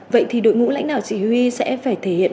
vậy thì đội ngũ lãnh đạo chỉ huy sẽ phải thể hiện